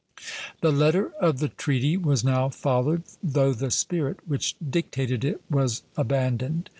"The letter of the treaty was now followed, though the spirit which dictated it was abandoned.